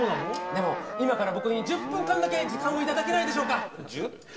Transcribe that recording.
でも今から僕に１０分間だけ時間をいただけないでしょうか１０分？